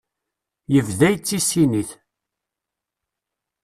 Yebda yettissin-it.